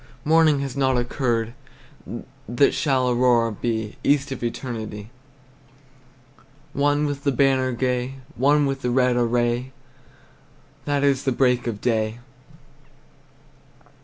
Morning has not occurred! That shall aurora be East of eternity; One with the banner gay, One in the red array, That is the break of day.